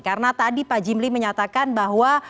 karena tadi pak jimli menyatakan bahwa